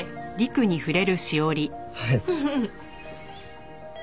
はい。